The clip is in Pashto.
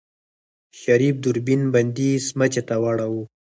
شريف دوربين بندې سمڅې ته واړوه.